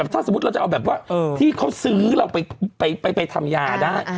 ถ้าสมมุติเราจะเอาแบบว่าที่เขาซื้อเราไปทำยาได้